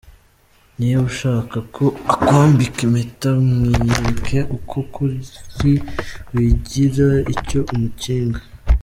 Niba ushaka ko akwambika impeta mwiyereke uko ukuri wigira icyo umukinga.